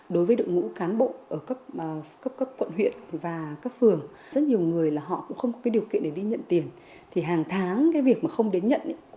đối với các đối tượng còn lại trên địa bàn